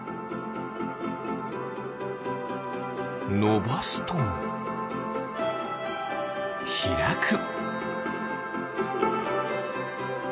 のばすとひらく。